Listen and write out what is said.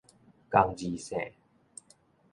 仝字姓